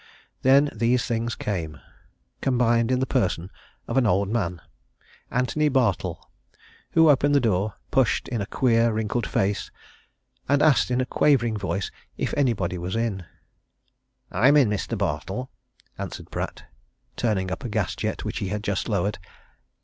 Then these things came combined in the person of an old man, Antony Bartle, who opened the door, pushed in a queer, wrinkled face, and asked in a quavering voice if anybody was in. "I'm in, Mr. Bartle," answered Pratt, turning up a gas jet which he had just lowered.